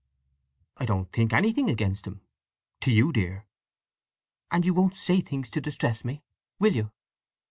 "I don't think anything against him—to you dear." "And you won't say things to distress me, will you?"